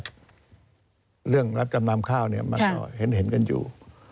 แต่เรื่องรับจำนามข้าวมันก็เห็นกันอยู่